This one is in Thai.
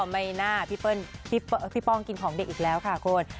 ไม่น่าพี่ป้องกินของเด็กอีกแล้วค่ะคุณ